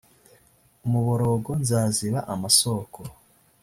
umuborogo nzaziba amasoko